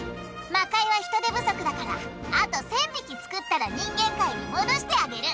魔界は人手不足だからあと１，０００匹作ったら人間界に戻してあげる！